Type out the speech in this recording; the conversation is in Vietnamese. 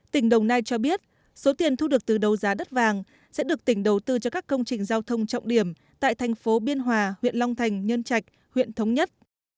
tỉnh đồng nai cho biết số tiền thu được từ đấu giá đất vàng sẽ được tỉnh đầu tư cho các công trình giao thông trọng điểm tại thành phố biên hòa huyện long thành nhân trạch huyện thống nhất